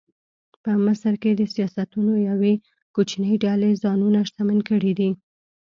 په مصر کې د سیاسیونو یوې کوچنۍ ډلې ځانونه شتمن کړي دي.